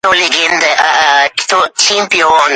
Dirk etib o‘tirdi.